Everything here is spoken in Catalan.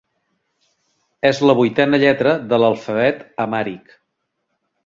És la vuitena lletra de l'alfabet amhàric.